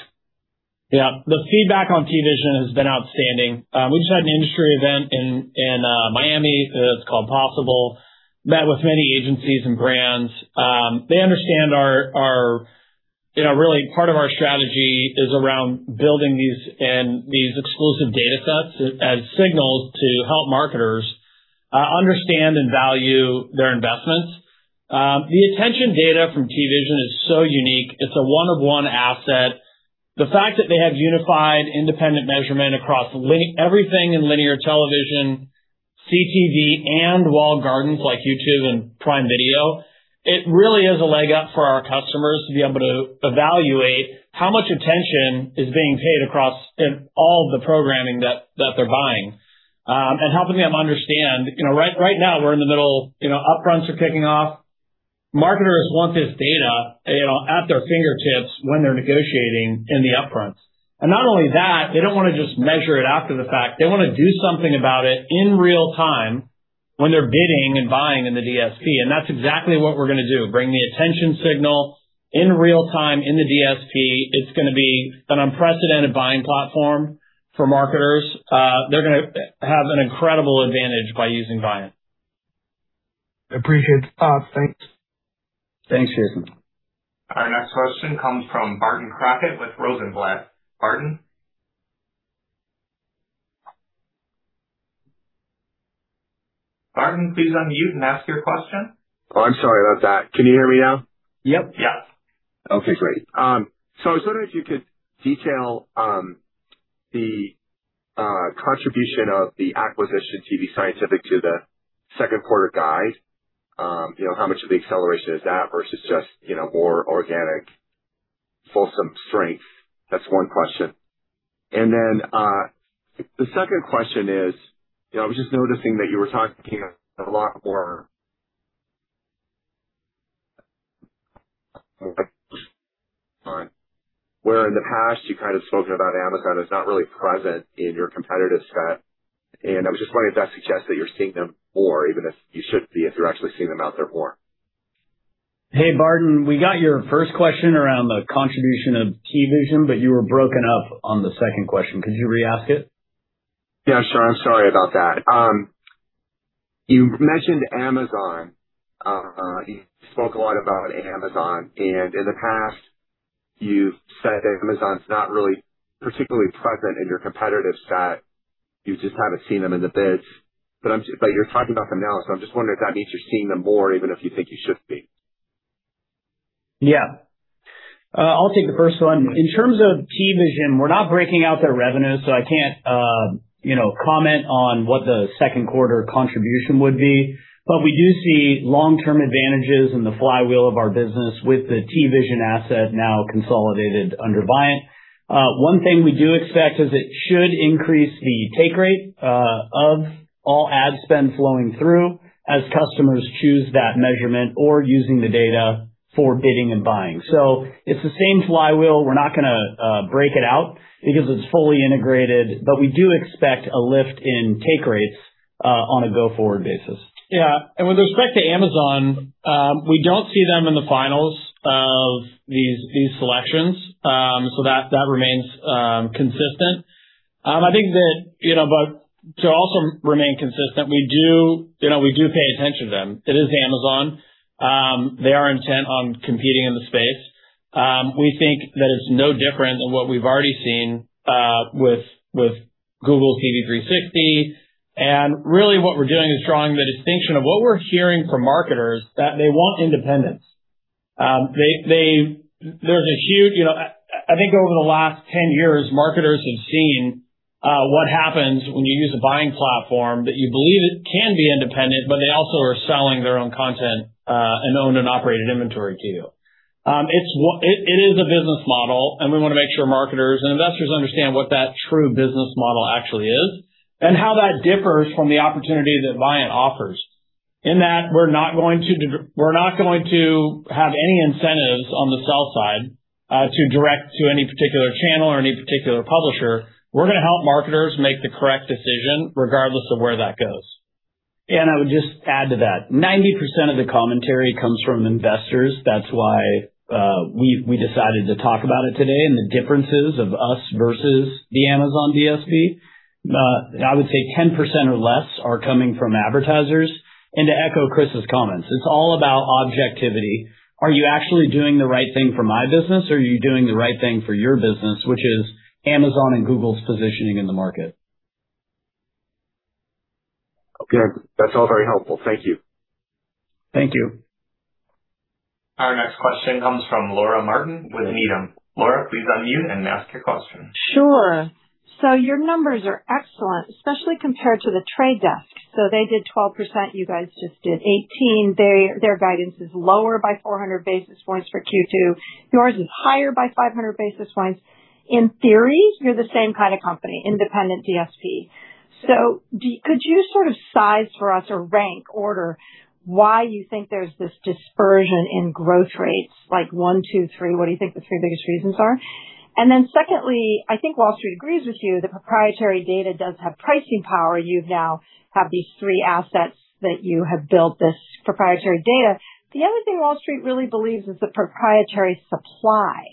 The feedback on TVision has been outstanding. We just had an industry event in Miami, it's called POSSIBLE. Met with many agencies and brands. They understand You know, really part of our strategy is around building these and these exclusive data sets as signals to help marketers understand and value their investments. The attention data from TVision is so unique. It's a one-of-one asset. The fact that they have unified independent measurement across everything in linear television, CTV, and walled gardens like YouTube and Prime Video, it really is a leg up for our customers to be able to evaluate how much attention is being paid across in all the programming that they're buying, and helping them understand, you know, right now we're in the middle, you know, upfronts are kicking off. Marketers want this data, you know, at their fingertips when they're negotiating in the upfront. Not only that, they don't wanna just measure it after the fact. They wanna do something about it in real time when they're bidding and buying in the DSP. That's exactly what we're gonna do, bring the attention signal in real time in the DSP. It's gonna be an unprecedented buying platform for marketers. They're gonna have an incredible advantage by using Viant. Appreciate the thoughts. Thanks. Thanks, Jason. Our next question comes from Barton Crockett with Rosenblatt Securities. Barton. Barton, please unmute and ask your question. Oh, I'm sorry about that. Can you hear me now? Yep. Yeah. Okay, great. I was wondering if you could detail the contribution of the acquisition TV scientific to the Q2 guide. You know, how much of the acceleration is that versus just, you know, more organic full-some strength. That's one question. The second question is, you know, I was just noticing that you were talking a lot more. Where in the past you kind of spoken about Amazon as not really present in your competitive set, and I was just wondering if that suggests that you're seeing them more, even if you should be, if you're actually seeing them out there more? Hey, Barton, we got your first question around the contribution of TVision, you were broken up on the second question. Could you re-ask it? Yeah, sure. I'm sorry about that. You mentioned Amazon. You spoke a lot about Amazon, and in the past, you've said that Amazon's not really particularly present in your competitive set. You've just kind of seen them in the bids. You're talking about them now, so I'm just wondering if that means you're seeing them more, even if you think you should be. I'll take the first one. In terms of TVision, we're not breaking out their revenue, so I can't, you know, comment on what the Q2 contribution would be. We do see long-term advantages in the flywheel of our business with the TVision asset now consolidated under Viant. One thing we do expect is it should increase the take rate of all ad spend flowing through as customers choose that measurement or using the data for bidding and buying. It's the same flywheel. We're not gonna break it out because it's fully integrated, but we do expect a lift in take rates on a go-forward basis. With respect to Amazon, we don't see them in the finals of these selections. So that remains consistent. I think that, you know, to also remain consistent, we do, you know, we do pay attention to them. It is Amazon. They are intent on competing in the space. We think that it's no different than what we've already seen with Google DV360. Really what we're doing is drawing the distinction of what we're hearing from marketers, that they want independence. There's a huge, you know, I think over the last 10 years, marketers have seen what happens when you use a buying platform that you believe it can be independent, but they also are selling their own content and owned and operated inventory to you. it is a business model. We wanna make sure marketers and investors understand what that true business model actually is and how that differs from the opportunity that Viant offers. In that, we're not going to have any incentives on the sell side to direct to any particular channel or any particular publisher. We're gonna help marketers make the correct decision regardless of where that goes. I would just add to that. 90% of the commentary comes from investors. That's why we decided to talk about it today and the differences of us versus the Amazon DSP. I would say 10% or less are coming from advertisers. To echo Chris's comments, it's all about objectivity. Are you actually doing the right thing for my business, or are you doing the right thing for your business, which is Amazon and Google's positioning in the market? Okay. That's all very helpful. Thank you. Thank you. Our next question comes from Laura Martin with Needham. Laura, please unmute and ask your question. Sure. Your numbers are excellent, especially compared to The Trade Desk. They did 12%, you guys just did 18%. Their guidance is lower by 400 basis points for Q2. Yours is higher by 500 basis points. In theory, you're the same kind of company, independent DSP. Could you sort of size for us or rank order why you think there's this dispersion in growth rates like 1, 2, 3? What do you think the three biggest reasons are? Secondly, I think Wall Street agrees with you that proprietary data does have pricing power. You now have these three assets that you have built this proprietary data. The other thing Wall Street really believes is the proprietary supply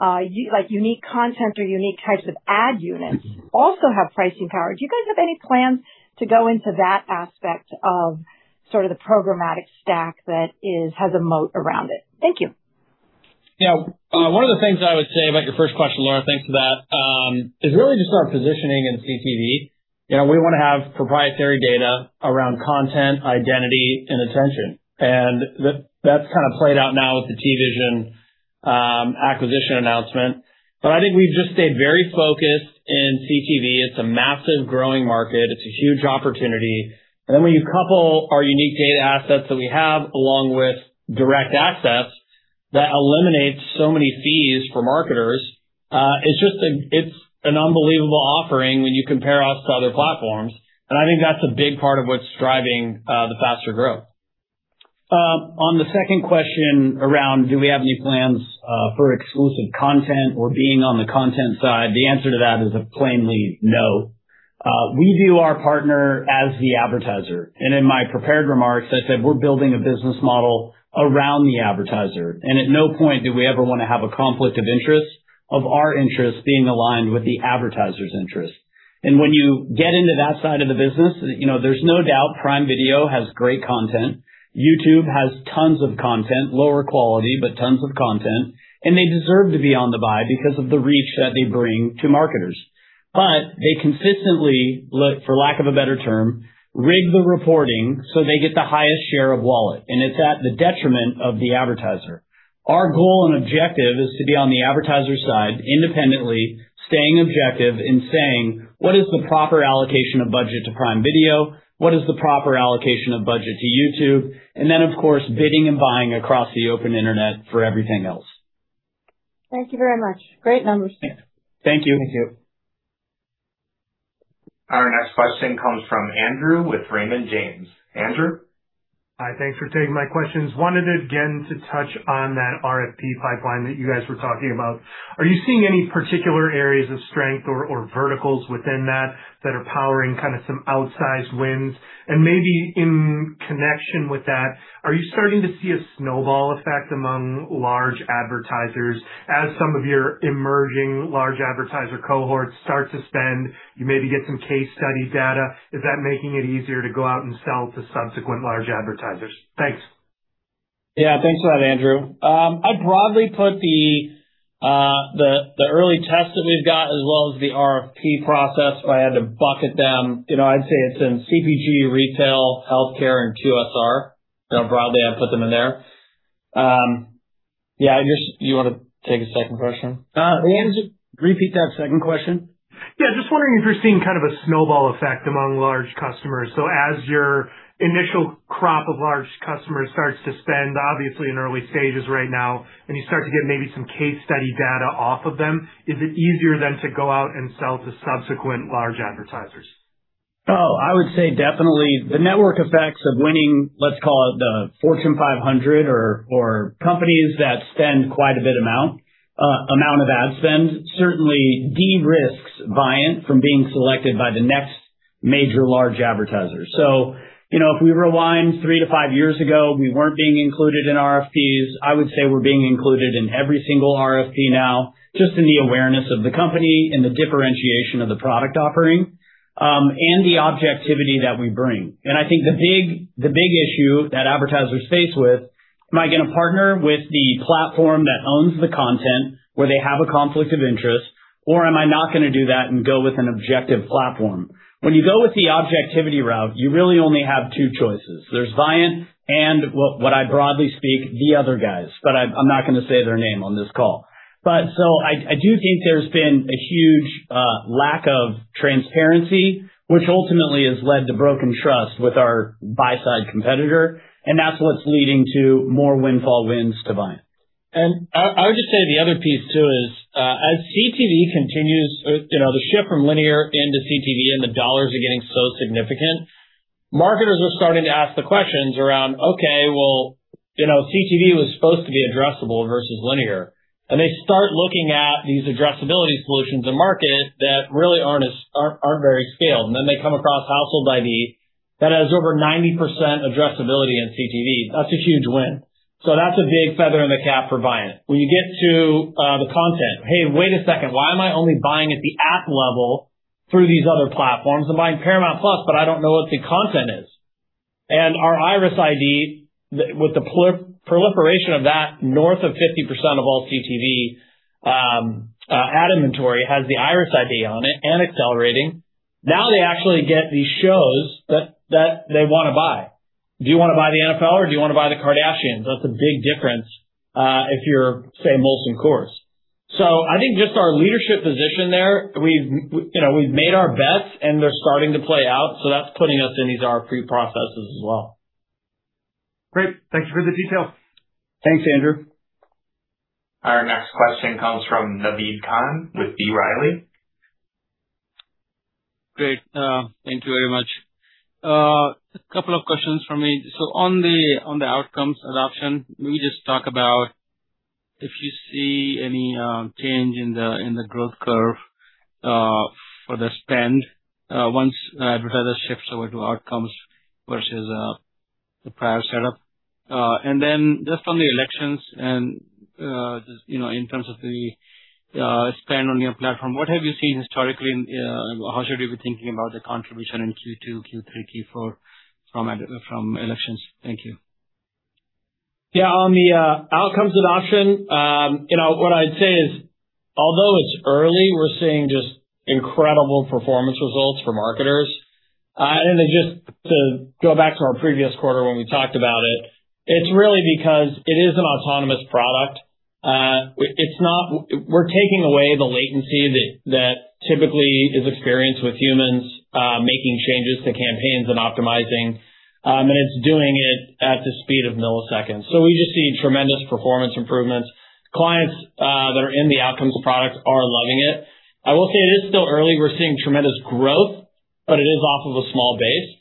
like unique content or unique types of ad units also have pricing power. Do you guys have any plans to go into that aspect of sort of the programmatic stack that has a moat around it? Thank you. Yeah. One of the things I would say about your first question, Laura, thanks for that, is really just our positioning in CTV. You know, we wanna have proprietary data around content, identity, and attention. That's kind of played out now with the TVision acquisition announcement. I think we've just stayed very focused in CTV. It's a massive growing market. It's a huge opportunity. When you couple our unique data assets that we have along with Direct Access, that eliminates so many fees for marketers. It's just an unbelievable offering when you compare us to other platforms, and I think that's a big part of what's driving the faster growth. On the second question around do we have any plans for exclusive content or being on the content side, the answer to that is a plainly no. We view our partner as the advertiser. In my prepared remarks, I said we're building a business model around the advertiser, and at no point do we ever wanna have a conflict of interest of our interests being aligned with the advertiser's interest. When you get into that side of the business, you know, there's no doubt Prime Video has great content. YouTube has tons of content, lower quality, but tons of content, and they deserve to be on the buy because of the reach that they bring to marketers. They consistently, for lack of a better term, rig the reporting so they get the highest share of wallet, and it's at the detriment of the advertiser. Our goal and objective is to be on the advertiser side independently, staying objective and saying, "What is the proper allocation of budget to Prime Video? What is the proper allocation of budget to YouTube? Then, of course, bidding and buying across the open internet for everything else. Thank you very much. Great numbers. Thanks. Thank you. Thank you. Our next question comes from Andrew with Raymond James. Andrew? Hi. Thanks for taking my questions. Wanted again to touch on that RFP pipeline that you guys were talking about. Are you seeing any particular areas of strength or verticals within that that are powering kind of some outsized wins? Maybe in connection with that, are you starting to see a snowball effect among large advertisers? As some of your emerging large advertiser cohorts start to spend, you maybe get some case study data. Is that making it easier to go out and sell to subsequent large advertisers? Thanks. Yeah. Thanks for that, Andrew. I'd broadly put the early tests that we've got as well as the RFP process, if I had to bucket them, you know, I'd say it's in CPG, retail, healthcare, and QSR. You know, broadly, I'd put them in there. Do you wanna take the second question? Andrew, repeat that second question. Just wondering if you're seeing kind of a snowball effect among large customers. As your initial crop of large customers starts to spend, obviously in early stages right now, and you start to get maybe some case study data off of them, is it easier then to go out and sell to subsequent large advertisers? I would say definitely. The network effects of winning, let's call it the Fortune 500 or companies that spend quite a bit amount of ad spend, certainly de-risks Viant from being selected by the next major large advertisers. You know, if we rewind 3-5 years ago, we weren't being included in RFPs. I would say we're being included in every single RFP now, just in the awareness of the company and the differentiation of the product offering, and the objectivity that we bring. I think the big issue that advertisers face with, am I gonna partner with the platform that owns the content, where they have a conflict of interest, or am I not gonna do that and go with an objective platform? When you go with the objectivity route, you really only have 2 choices. There's Viant and, well, what I broadly speak, the other guys, but I'm not gonna say their name on this call. I do think there's been a huge lack of transparency, which ultimately has led to broken trust with our buy-side competitor, and that's what's leading to more windfall wins to Viant. I would just say the other piece too is, as CTV continues, the shift from linear into CTV and the dollars are getting so significant, marketers are starting to ask the questions around, okay, CTV was supposed to be addressable versus linear. They start looking at these addressability solutions in market that really aren't very scaled. They come across Household ID that has over 90% addressability in CTV. That's a huge win. That's a big feather in the cap for Viant. When you get to the content, "Hey, wait a second, why am I only buying at the app level through these other platforms? I'm buying Paramount+, but I don't know what the content is. Our IRIS_ID, with the proliferation of that north of 50% of all CTV ad inventory has the IRIS_ID on it and accelerating. Now they actually get the shows that they wanna buy. Do you wanna buy the NFL or do you wanna buy The Kardashians? That's a big difference, if you're, say, Molson Coors. I think just our leadership position there, we've you know, we've made our bets and they're starting to play out, so that's putting us in these RFP processes as well. Great. Thank you for the details. Thanks, Andrew. Our next question comes from Naveed Khan with B. Riley. Great. Thank you very much. A couple of questions from me. On the Outcomes adoption, can we just talk about if you see any change in the growth curve for the spend once an advertiser shifts over to Outcomes versus the prior setup. Just on the elections and just, you know, in terms of the spend on your platform, what have you seen historically and how should we be thinking about the contribution in Q2, Q3, Q4 from elections? Thank you. On the Outcomes adoption, you know, what I'd say is, although it's early, we're seeing just incredible performance results for marketers. We're taking away the latency that typically is experienced with humans, making changes to campaigns and optimizing, and it's doing it at the speed of milliseconds. We've just seen tremendous performance improvements. Clients that are in the Outcomes product are loving it. I will say it is still early. We're seeing tremendous growth, but it is off of a small base.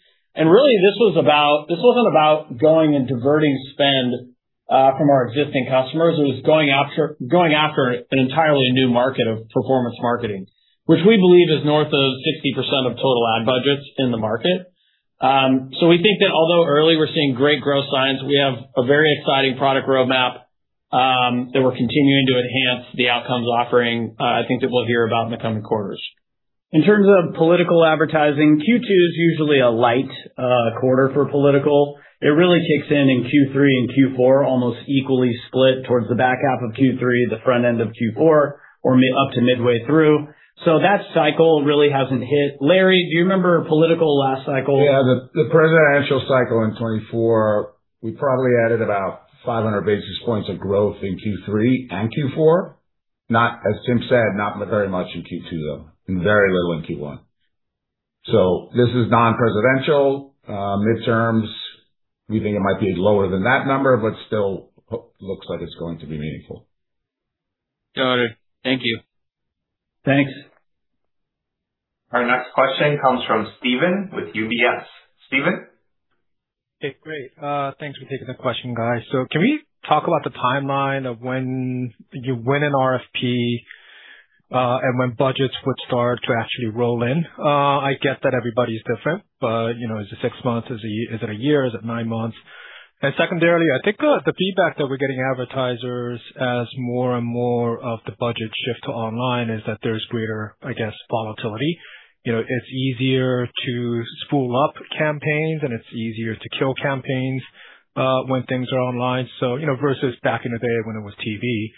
Really this wasn't about going and diverting spend from our existing customers. It was going after an entirely new market of performance marketing, which we believe is north of 60% of total ad budgets in the market. We think that although early, we're seeing great growth signs. We have a very exciting product roadmap that we're continuing to enhance the Outcomes offering, I think that we'll hear about in the coming quarters. In terms of political advertising, Q2 is usually a light quarter for political. It really kicks in in Q3 and Q4, almost equally split towards the back half of Q3, the front end of Q4, or mid- up to midway through. That cycle really hasn't hit. Larry, do you remember political last cycle? Yeah. The presidential cycle in 2024, we probably added about 500 basis points of growth in Q3 and Q4. Not, as Tim said, not very much in Q2, though, and very little in Q1. This is non-presidential. Midterms, we think it might be lower than that number, but still looks like it's going to be meaningful. Got it. Thank you. Thanks. Our next question comes from Steven with UBS. Steven? Okay, great. Thanks for taking the question, guys. Can we talk about the timeline of when you win an RFP, and when budgets would start to actually roll in? I get that everybody's different, but, you know, is it six months? Is it 1 year? Is it nine months? Secondarily, I think, the feedback that we're getting advertisers as more and more of the budget shift to online is that there's greater, I guess, volatility. You know, it's easier to spool up campaigns, and it's easier to kill campaigns, when things are online, so, you know, versus back in the day when it was TV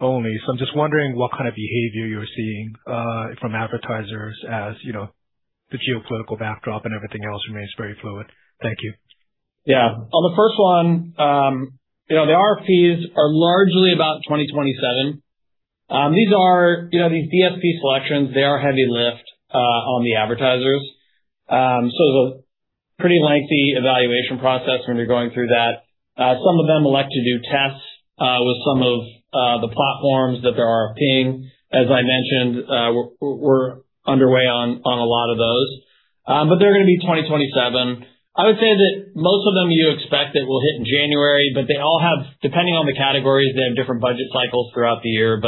only. I'm just wondering what kind of behavior you're seeing, from advertisers as, you know, the geopolitical backdrop and everything else remains very fluid. Thank you. On the 1st one, you know, the RFPs are largely about 2027. These are, you know, these DSP selections, they are heavy lift on the advertisers. A pretty lengthy evaluation process when you're going through that. Some of them elect to do tests with some of the platforms that they're RFPing. As I mentioned, we're underway on a lot of those. They're gonna be 2027. I would say that most of them you expect that will hit in January, they all have, depending on the categories, they have different budget cycles throughout the year.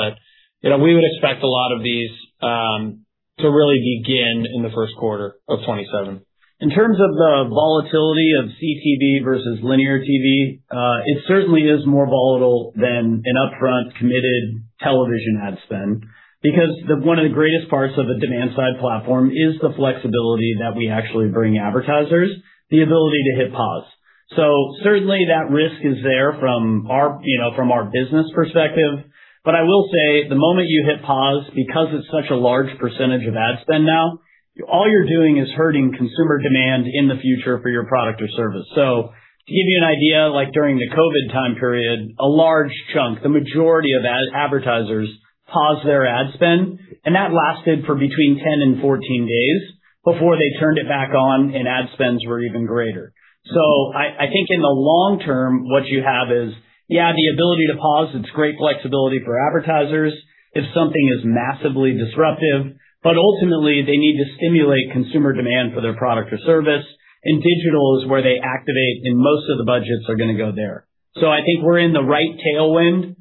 You know, we would expect a lot of these to really begin in the Q1 of 2027. In terms of the volatility of CTV versus linear TV, it certainly is more volatile than an upfront committed television ad spend because the, one of the greatest parts of a demand-side platform is the flexibility that we actually bring advertisers, the ability to hit pause. Certainly that risk is there from our, you know, from our business perspective. I will say, the moment you hit pause, because it's such a large percentage of ad spend now, all you're doing is hurting consumer demand in the future for your product or service. To give you an idea, like during the COVID time period, a large chunk, the majority of advertisers paused their ad spend, and that lasted for between 10 and 14 days before they turned it back on and ad spends were even greater. I think in the long term, what you have is, the ability to pause, it's great flexibility for advertisers if something is massively disruptive, but ultimately they need to stimulate consumer demand for their product or service, and digital is where they activate, and most of the budgets are going to go there. I think we're in the right tailwind.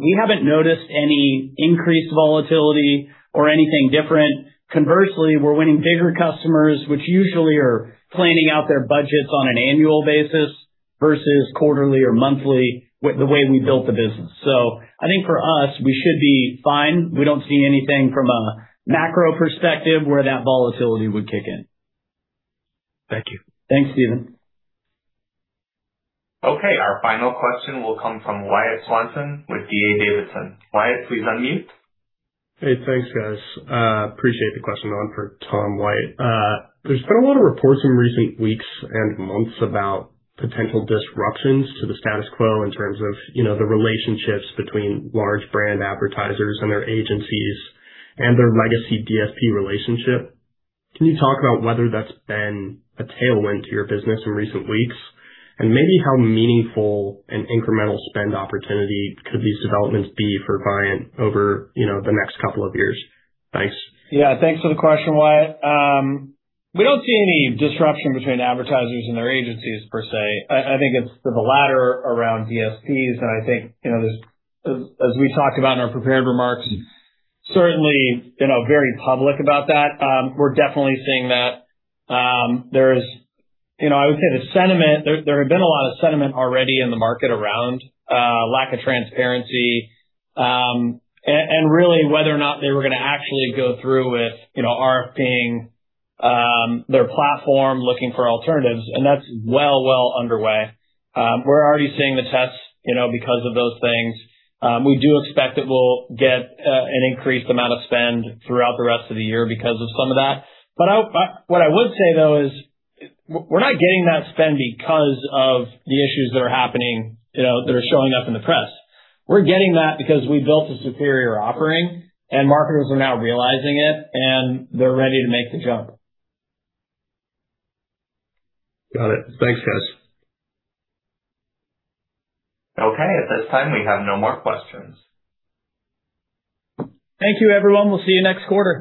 We haven't noticed any increased volatility or anything different. Conversely, we're winning bigger customers, which usually are planning out their budgets on an annual basis versus quarterly or monthly the way we built the business. I think for us, we should be fine. We don't see anything from a macro perspective where that volatility would kick in. Thank you. Thanks, Steven. Our final question will come from Wyatt Swanson with D.A. Davidson. Wyatt, please unmute. Hey, thanks, guys. Appreciate the question. 1 for Tom White. There's been a lot of reports in recent weeks and months about potential disruptions to the status quo in terms of, you know, the relationships between large brand advertisers and their agencies and their legacy DSP relationship. Can you talk about whether that's been a tailwind to your business in recent weeks? Maybe how meaningful an incremental spend opportunity could these developments be for client over, you know, the next couple of years? Thanks. Yeah. Thanks for the question, Wyatt. We don't see any disruption between advertisers and their agencies per se. I think it's the latter around DSPs, and I think, you know, as we talked about in our prepared remarks, certainly, you know, very public about that. We're definitely seeing that, there's, you know, I would say the sentiment, there had been a lot of sentiment already in the market around lack of transparency. Really whether or not they were gonna actually go through with, you know, RFPing their platform, looking for alternatives, and that's well underway. We're already seeing the tests, you know, because of those things. We do expect that we'll get an increased amount of spend throughout the rest of the year because of some of that. I, what I would say, though, is we're not getting that spend because of the issues that are happening, you know, that are showing up in the press. We're getting that because we built a superior offering, and marketers are now realizing it, and they're ready to make the jump. Got it. Thanks, guys. Okay. At this time, we have no more questions. Thank you, everyone. We'll see you next quarter.